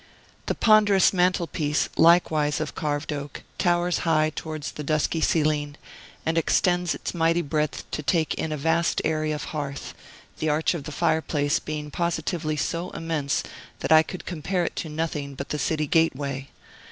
The ponderous mantel piece, likewise of carved oak, towers high towards the dusky ceiling, and extends its mighty breadth to take in a vast area of hearth, the arch of the fireplace being positively so immense that I could compare it to nothing but the city gateway.